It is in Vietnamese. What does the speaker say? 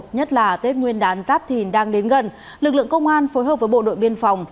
nhất là tết nguyên đán giáp thìn đang đến gần lực lượng công an phối hợp với bộ đội biên phòng